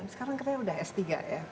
sekarang katanya sudah s tiga ya